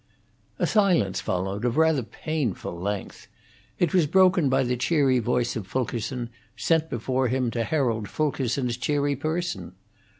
A silence followed, of rather painful length. It was broken by the cheery voice of Fulkerson, sent before him to herald Fulkerson's cheery person.